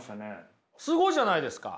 すごいじゃないですか。